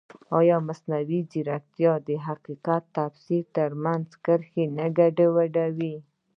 ایا مصنوعي ځیرکتیا د حقیقت او تفسیر ترمنځ کرښه نه ګډوډوي؟